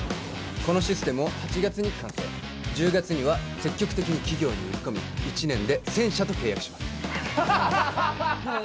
このシステムを８月に完成１０月には積極的に企業に売り込み１年で１０００社と契約します